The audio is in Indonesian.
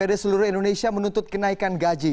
dpd seluruh indonesia menuntut kenaikan gaji